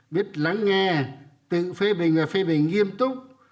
biết lắng nghe tự phê bình và phê bình nghiêm túc